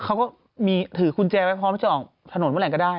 เขาก็มีถือกุญแจไว้พร้อมจะออกถนนเมื่อไหร่ก็ได้